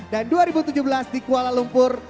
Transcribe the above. dan dua ribu tujuh belas di kuala lumpur